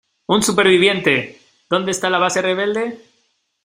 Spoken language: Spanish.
¡ Un superviviente! ¿ dónde está la base rebelde?